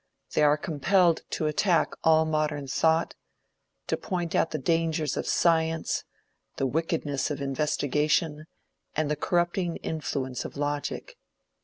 They are compelled to attack all modern thought, to point out the dangers of science, the wickedness of investigation and the corrupting influence of logic.